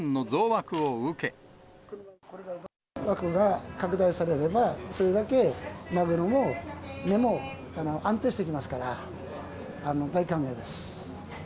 枠が拡大されれば、それだけマグロの値も安定してきますから、大歓迎です。